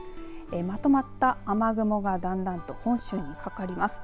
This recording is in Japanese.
まとまった雨雲がだんだんと本州にかかります。